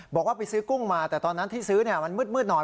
บอกว่าไปซื้อกุ้งมาแต่ตอนนั้นที่ซื้อมันมืดหน่อย